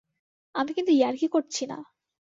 আমি কিন্তু ইয়ার্কি করছি না।